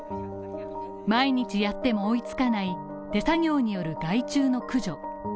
毎日やっても追いつかない手作業による害虫の駆除